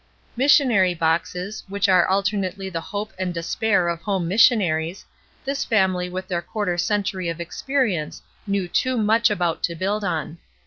Missionary boxes, which are alternately the hope and despair of home missionaries, this family with their quarter century of experience knew too much about to build on.